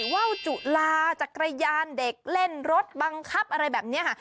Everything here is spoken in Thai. ว่าวจุลาจักรยานเด็กเล่นรถบังคับอะไรแบบนี้ค่ะ